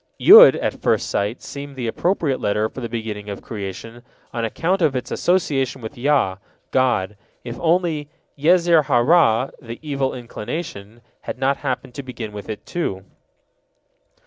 Yod at first sight seemed the appropriate letter for the beginning of creation, on account of its association with Yah, God, if only Yezer ha Ra' the evil inclination, had not happened to begin with it, too.